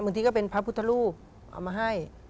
ที่เป็นพระพุทธรูปเอามาให้